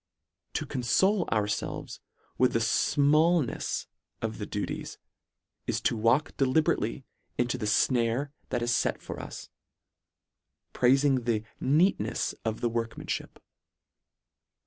To confole ourfelves with the fmallnefs of the duties, is to walk deliberately into the fnare that is fet for us, praifing the neatnefs of the workmanfhip.